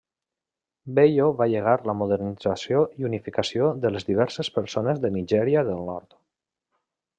Bello va llegar la modernització i unificació de les diverses persones de Nigèria del Nord.